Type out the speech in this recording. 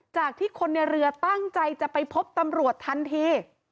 จากที่คนในเรือตั้งใจจะไปพบตำรวจทันที